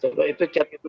soalnya itu chat itu